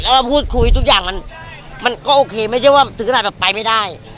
แล้วพูดคุยทุกอย่างมันมันก็โอเคไม่ใช่ว่าสื่อขนาดออกไปไม่ได้